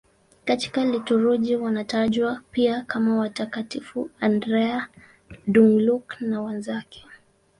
Katika liturujia wanatajwa pia kama Watakatifu Andrea Dũng-Lạc na wenzake.